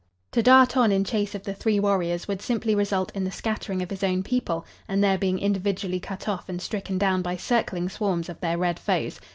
To dart on in chase of the three warriors would simply result in the scattering of his own people and their being individually cut off and stricken down by circling swarms of their red foes.